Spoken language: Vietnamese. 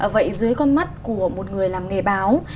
vậy dưới con mắt của một người làm nghề báo